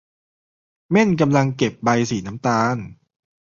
เม่นกำลังเก็บใบสีน้ำตาล